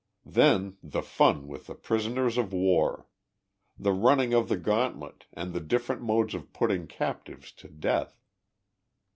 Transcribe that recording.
Then the fun with the prisoners of war ! The running of the gauntlet, and the different modes of putting captives to death.